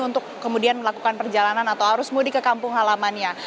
untuk kemudian melakukan perjalanan atau arus mudik ke kampung halamannya